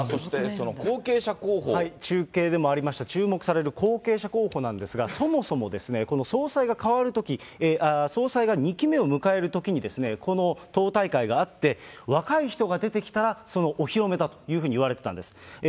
中継でもありました、注目される後継者候補なんですが、そもそもこの総裁が代わるとき、２期目を迎えるときに、この党大会があって、若い人が出てきたら、そのお披露目だというふうにいわれていたんです。